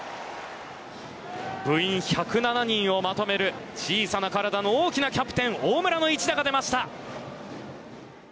部員１０７人をまとめる小さな体の大きなキャプテン大村の一打が出ました。